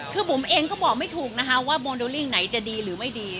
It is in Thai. คือบุ๋มเองก็บอกไม่ถูกนะคะว่าโมเดลลิ่งไหนจะดีหรือไม่ดี